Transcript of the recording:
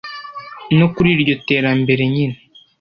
no kuri iryo terambere nyine